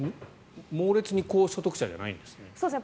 猛烈に高所得者じゃないんですね。